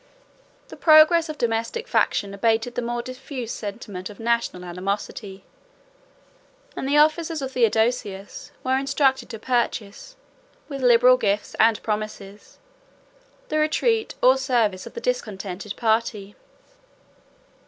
The progress of domestic faction abated the more diffusive sentiment of national animosity; and the officers of Theodosius were instructed to purchase, with liberal gifts and promises, the retreat or service of the discontented party.